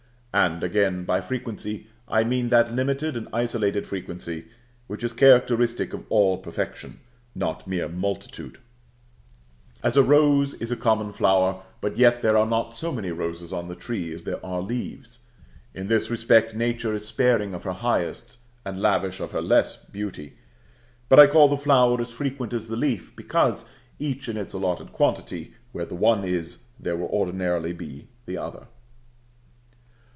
And, again, by frequency I mean that limited and isolated frequency which is characteristic of all perfection; not mere multitude: as a rose is a common flower, but yet there are not so many roses on the tree as there are leaves. In this respect Nature is sparing of her highest, and lavish of her less, beauty; but I call the flower as frequent as the leaf, because, each in its allotted quantity, where the one is, there will ordinarily be the other.